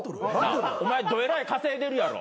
お前どえらい稼いでるやろ？